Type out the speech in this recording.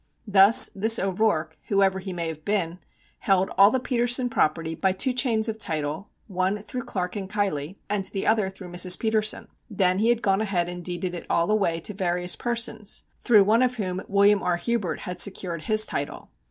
Thus this O'Rourke, whoever he may have been, held all the Petersen property by two chains of title, one through Clark and Keilly, and the other through Mrs. Petersen. Then he had gone ahead and deeded it all away to various persons, through one of whom William R. Hubert had secured his title.